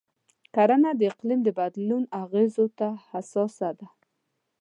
کرنه د اقلیم د بدلون اغېزو ته حساسه ده.